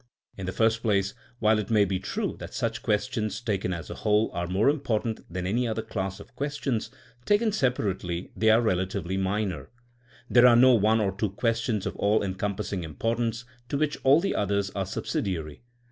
In the first place, while it may be true that such questions taken as a whole are more important than any other class of questions, taken separately they are relatively minor ; there are no one or two questions of all encompassing importance to which all the others are subsidiary.